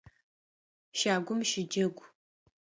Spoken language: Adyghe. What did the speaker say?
Щагум щыджэгу!